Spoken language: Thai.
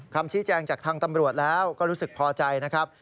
คำชี้แจงจากทางตำรวจแล้วก็รู้สึกพอใจนะครับ